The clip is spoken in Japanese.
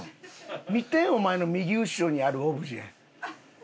見てお前の右後ろにあるオブジェ。